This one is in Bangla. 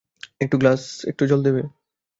একটু এক গ্লাস জল দেবে?